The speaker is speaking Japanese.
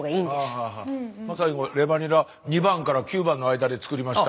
最後レバニラ２番から９番の間で作りました。